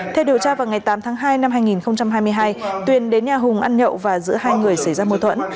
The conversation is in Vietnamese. theo điều tra vào ngày tám tháng hai năm hai nghìn hai mươi hai tuyền đến nhà hùng ăn nhậu và giữa hai người xảy ra mô thuẫn